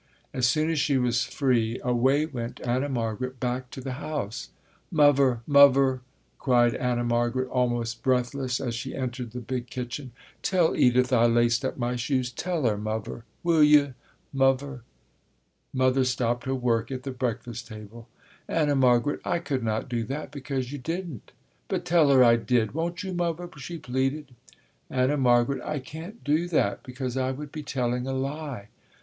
As soon as she was free, away went Anna Margaret back to the house. "Muvver, Muvver," cried Anna Margaret almost breathless as she entered the big kitchen, "tell Edith I laced up my shoes, tell 'er, Muvver, will yo', Muvver?" Mother stopped her work at the breakfast table. "Anna Margaret, I could not do that because you didn't." "But tell 'er I did, won't you, Muvver," she pleaded. "Anna Margaret, I can't do that because I would be telling a lie.